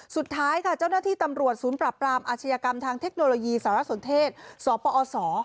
สุดท้ายค่ะเจ้าหน้าที่ตำรวจศูนย์ปรับปรามอาชญากรรมทางเทคโนโลยีสารสนเทศสปอศ